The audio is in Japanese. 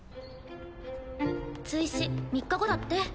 追試３日後だって。